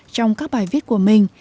trong các bài viết của mình